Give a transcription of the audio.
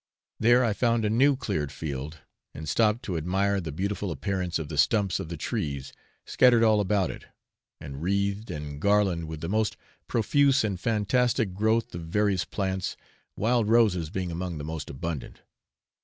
There I found a new cleared field, and stopped to admire the beautiful appearance of the stumps of the trees scattered all about it, and wreathed and garlanded with the most profuse and fantastic growth of various plants wild roses being among the most abundant.